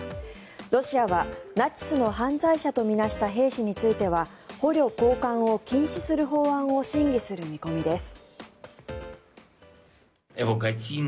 ロシアはナチスの犯罪者と見なした兵士については捕虜交換を禁止する法案を審議する見込みです。